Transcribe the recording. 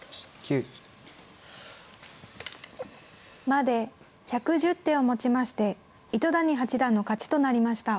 １２３４５６７８９。まで１１０手をもちまして糸谷八段の勝ちとなりました。